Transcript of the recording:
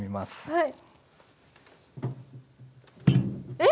はい。